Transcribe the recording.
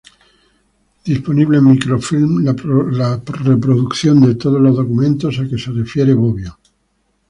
Disponible en microfilm la reproducción de todos los documentos a que se refiere Bobbio.